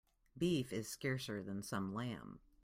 Beef is scarcer than some lamb.